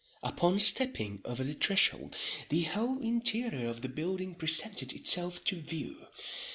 Upon stepping over the threshold, the whole interior of the building presented itself to view.